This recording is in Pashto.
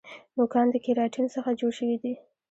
نوکان د کیراټین څخه جوړ شوي دي